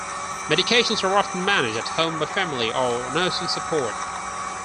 Medications are often managed at home by family or nursing support.